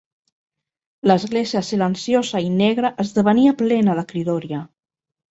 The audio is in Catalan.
L'església silenciosa i negra esdevenia plena de cridòria